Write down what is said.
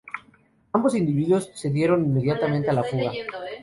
Ambos individuos se dieron inmediatamente a la fuga.